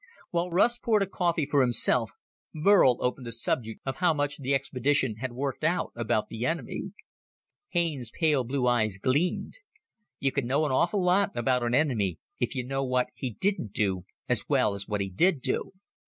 While Russ poured a cup of coffee for himself, Burl opened the subject of how much the expedition had worked out about the enemy. Haines's pale blue eyes gleamed. "You can know an awful lot about an enemy if you know what he didn't do as well as what he did do.